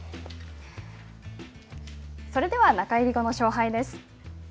それでは中入り後の勝敗です。